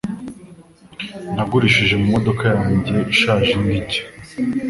Nagurishije mu modoka yanjye ishaje indi nshya.